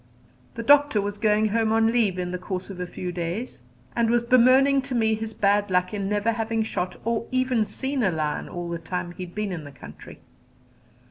The Doctor was going home on leave in the course of a few days, and was bemoaning to me his bad luck in never having shot or even seen a lion all the time he had been in the country.